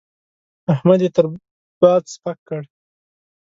احمد يې تر باد سپک کړ.